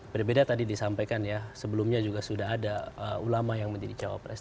beda beda tadi disampaikan ya sebelumnya juga sudah ada ulama yang menjadi cowok presiden